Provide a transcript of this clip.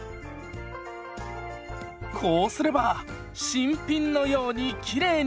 こうすれば新品のようにきれいに！